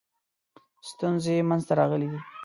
ستونزې منځته راغلي دي.